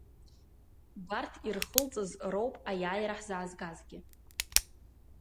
Убарҭ ирхылҵыз роуп аиааира ҳзаазгазгьы.